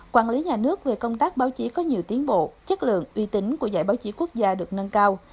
quản lý nhà nước về công tác báo chí có nhiều tiến bộ chất lượng uy tín của giải báo chí quốc gia được nâng cao